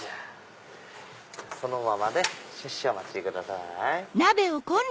そのままで少々お待ちください。